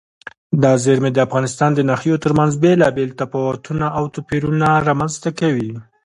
دا زیرمې د افغانستان د ناحیو ترمنځ بېلابېل تفاوتونه او توپیرونه رامنځ ته کوي.